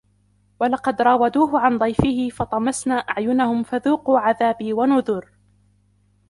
وَلَقَد راوَدوهُ عَن ضَيفِهِ فَطَمَسنا أَعيُنَهُم فَذوقوا عَذابي وَنُذُرِ